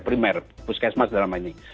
primer puskesmas dan lain lain